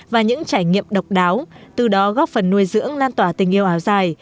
và những trải nghiệm độc đáo từ đó góp phần nuôi dưỡng lan tỏa tình yêu áo dài